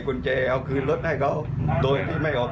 ปล่อยละครับ